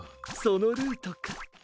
そのルートか。